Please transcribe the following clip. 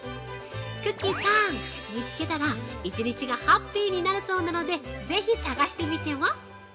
くっきーさん、見つけたら１日がハッピーになるそうなのでぜひ探してみては？